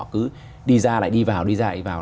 cứ đi ra lại đi vào đi dạy vào